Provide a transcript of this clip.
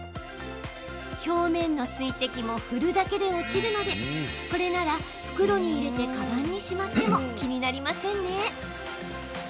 表面の水滴も振るだけで落ちるのでこれなら袋に入れてかばんにしまっても気になりませんね。